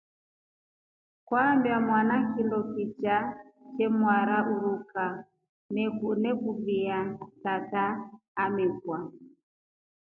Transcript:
Kwambia mwana kindo kisha chemwara uruka nekuvia tata umekwa.